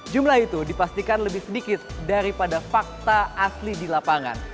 jumlah itu dipastikan lebih sedikit daripada fakta asli di lapangan